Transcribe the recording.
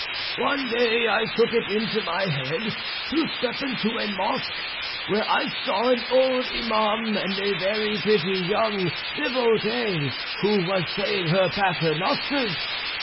One day I took it into my head to step into a mosque, where I saw an old Iman and a very pretty young devotee who was saying her paternosters.